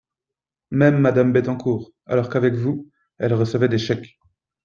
Même Madame Bettencourt, alors qu’avec vous, elle recevait des chèques